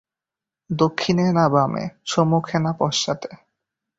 দক্ষিণে না বামে, সম্মুখে না পশ্চাতে?